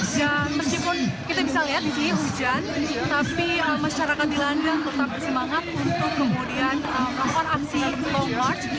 dan meskipun kita bisa lihat di sini hujan tapi masyarakat di london tetap bersemangat untuk kemudian melakukan aksi long march